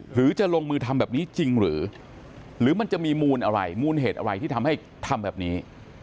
หรือจะลงมือทำแบบนี้จริงหรือมันจะมีมูลอะไรมูลเหตุอะไรที่ทำให้ทำแบบนี้